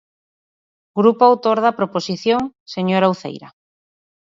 Grupo autor da proposición, señora Uceira.